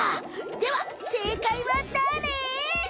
ではせいかいはだれ？